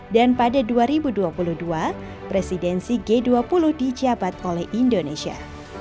dan pada dua ribu dua puluh dua presidensi g dua puluh dijabat oleh indonesia